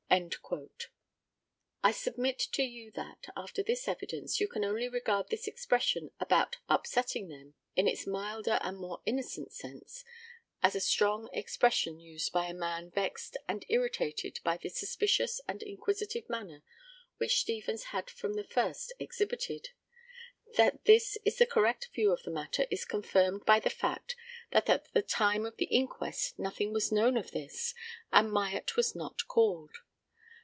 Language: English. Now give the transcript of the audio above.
I submit to you that, after this evidence, you can only regard this expression about "upsetting them," in its milder and more innocent sense, as a strong expression used by a man vexed and irritated by the suspicious and inquisitive manner which Stevens had from the first exhibited. That this is the correct view of the matter is confirmed by the fact that at the time of the inquest nothing was known of this, and Myatt was not called.